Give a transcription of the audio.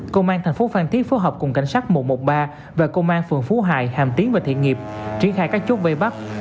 công an thành phố phan thiết phối hợp cùng cảnh sát một trăm một mươi ba và công an phường phú hà hàm tiến và thiện nghiệp triển khai các chốt vây bắt